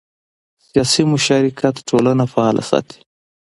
سیاسي مشارکت ټولنه فعاله ساتي